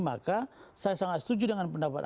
maka saya sangat setuju dengan pendapat